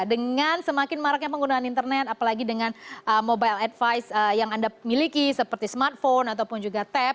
dengan semakin maraknya penggunaan internet apalagi dengan mobile advice yang anda miliki seperti smartphone ataupun juga tap